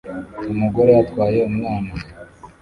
Umugore atwaye umwana